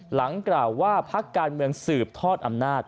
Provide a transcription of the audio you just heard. หลังกล่าวว่าพักการเมืองสืบทอดอำนาจ